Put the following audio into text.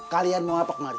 kalian mau apa kemari